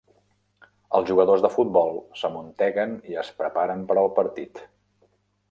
Els jugadors de futbol s'amunteguen i es preparen per al partit.